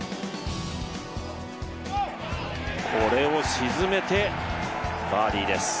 これを沈めて、バーディーです。